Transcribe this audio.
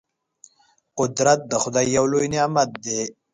قدرت د خدای یو لوی نعمت دی.